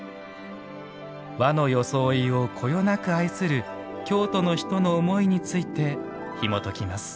和の装いをこよなく愛する京都の人の思いについてひもときます。